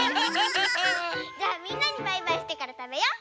じゃあみんなにバイバイしてからたべよう。